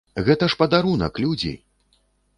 Гэта ж падарунак, людзі!